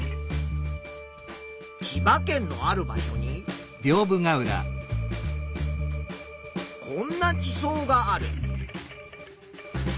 千葉県のある場所にこんな地層がある。